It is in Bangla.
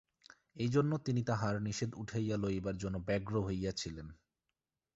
এইজন্য তিনি তাঁহার নিষেধ উঠাইয়া লইবার জন্য ব্যগ্র হইয়াছিলেন।